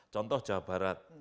contoh jawa barat